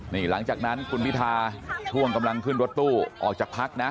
นี่หลังจากนั้นคุณพิทาช่วงกำลังขึ้นรถตู้ออกจากพักนะ